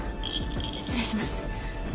失礼します。